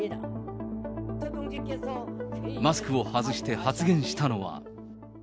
マスクを外して発言したのは。